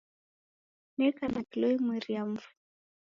Neka na kilo imweri ya mfu.